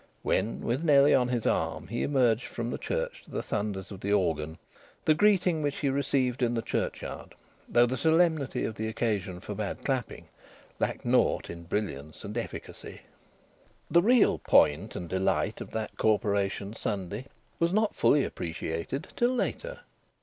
When, with Nellie on his arm, he emerged from the church to the thunders of the organ, the greeting which he received in the churchyard, though the solemnity of the occasion forbade clapping, lacked naught in brilliance and efficacy. The real point and delight of that Corporation Sunday was not fully appreciated till later.